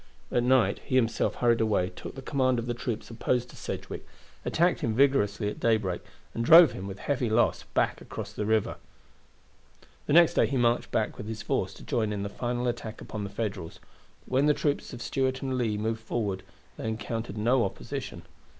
At night he himself hurried away, took the command of the troops opposed to Sedgwick, attacked him vigorously at daybreak, and drove him with heavy loss back across the river. The next day he marched back with his force to join in the final attack upon the Federals; but when the troops of Stuart and Lee moved forward they encountered no opposition.